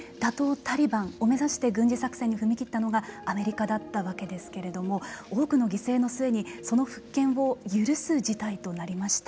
タリバンを目指して軍事作戦に踏み切ったのがアメリカだったわけですけれども多くの犠牲の末にその復権を許す事態となりました。